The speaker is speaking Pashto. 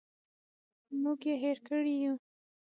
موږ یې هېر کړي یوو.